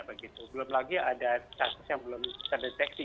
belum lagi ada kasus yang belum terdeteksi